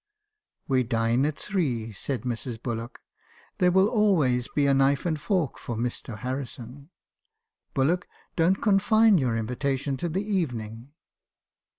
"' We dine at three,' said Mrs. Bullock. 'There will always be a knife and fork for Mr. Harrison. Bullock! don't confine your invitation to the evening